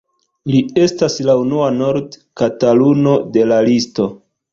Li estas la unua nord-Kataluno de la listo.